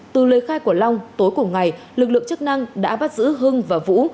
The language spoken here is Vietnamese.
từ lời khai của long tối cùng ngày lực lượng chức năng đã bắt giữ hưng và vũ